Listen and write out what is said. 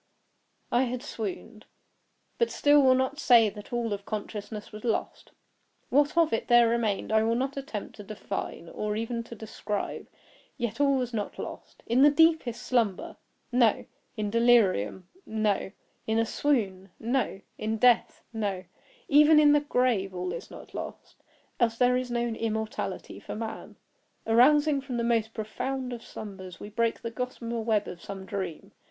I had swooned; but still will not say that all of consciousness was lost. What of it there remained I will not attempt to define, or even to describe; yet all was not lost. In the deepest slumber—no! In delirium—no! In a swoon—no! In death—no! even in the grave all is not lost. Else there is no immortality for man. Arousing from the most profound of slumbers, we break the gossamer web of some dream.